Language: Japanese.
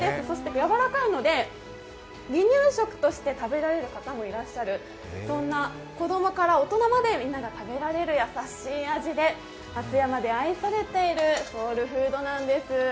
やわらかいので離乳食として食べられる方もいらっしゃる、そんな子どもから大人までみんなが食べられる優しい味で、松山で愛されているソウルフードなんです。